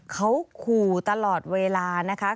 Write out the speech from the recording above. เขาขู่ตลอดเวลานะคะ